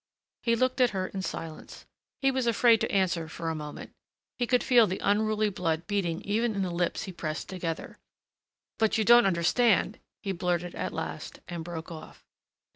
He looked at her in silence. He was afraid to answer for a moment; he could feel the unruly blood beating even in the lips he pressed together. "But don't you understand " he blurted at last and broke off.